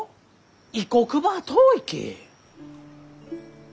異国ばあ遠いき。